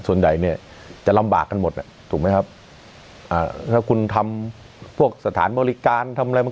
ส่วนใหญ่เนี่ยจะลำบากกันหมดอ่ะถูกไหมครับอ่าถ้าคุณทำพวกสถานบริการทำอะไร